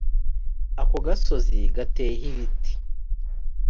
Ako gasozi gateyeho ibiti